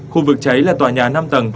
khu vực cháy là tòa nhà năm tầng